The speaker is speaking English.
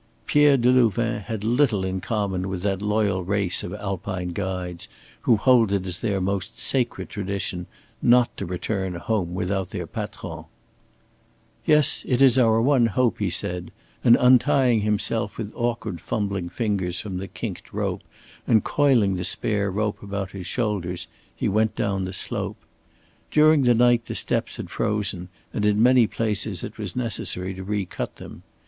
Pierre Delouvain had little in common with that loyal race of Alpine guides who hold it as their most sacred tradition not to return home without their patrons. "Yes, it is our one hope," he said; and untying himself with awkward fumbling fingers from the kinked rope, and coiling the spare rope about his shoulders, he went down the slope. During the night the steps had frozen and in many places it was necessary to recut them.